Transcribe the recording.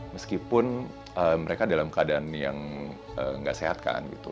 meskipun mereka dalam keadaan yang nggak sehat kan gitu